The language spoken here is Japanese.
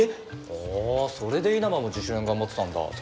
あそれで稲葉も自主練頑張ってたんだ最近。